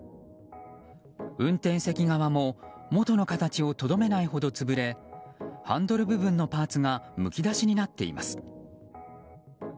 運転席側も元の形をとどめないほど潰れハンドル部分のパーツがむき出しになっています。